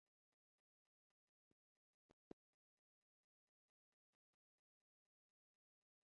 Wabena walionesha jinsi ya kupata chuma kutokana na udongo wenye madini ya chuma